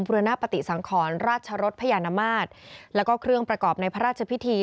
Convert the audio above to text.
รณปฏิสังขรราชรสพญานมาตรแล้วก็เครื่องประกอบในพระราชพิธี